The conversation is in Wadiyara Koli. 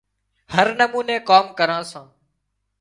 هر نموني ڪام ڪران سان